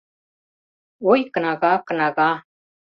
Ой, кнага, кнага